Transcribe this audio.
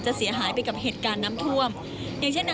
เสียหายไปกับเหตุการณ์น้ำท่วมอย่างเช่นนั้น